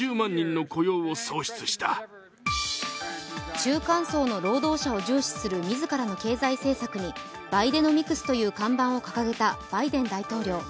中間層の労働者を重視する自らの経済政策にバイデノミクスという看板を掲げたバイデン大統領。